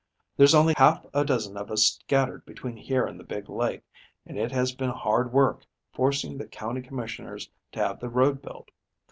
There's only half a dozen of us scattered between here and the big lake, and it has been hard work forcing the county commissioners to have the road built.